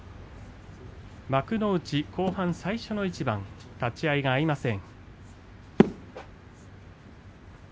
幕内後半最初の一番、立ち合いが合いません。